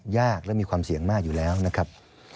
ยากและมีความเสี่ยงมากอยู่แล้วนะครับ